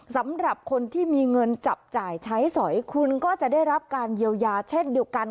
สำหรับคนที่มีเงินจับจ่ายใช้สอยคุณก็จะได้รับการเยียวยาเช่นเดียวกัน